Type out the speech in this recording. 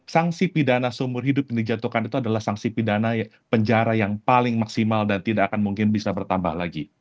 sanksi pidana seumur hidup yang dijatuhkan itu adalah sanksi pidana penjara yang paling maksimal dan tidak akan mungkin bisa bertambah lagi